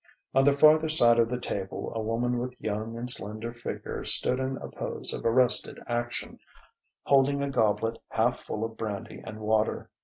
On the farther side of the table a woman with young and slender figure stood in a pose of arrested action, holding a goblet half full of brandy and water.